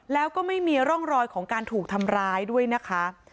แล้วก็ไม่มีร่องรอยของการถูกทำร้ายด้วยนะคะ